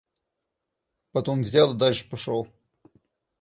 Потом взял и дальше пошёл.